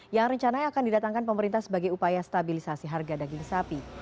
yang rencananya akan didatangkan pemerintah sebagai upaya stabilisasi harga daging sapi